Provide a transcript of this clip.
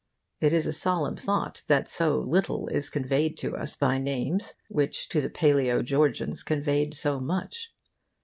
It is a solemn thought that so little is conveyed to us by names which to the palaeo Georgians conveyed so much.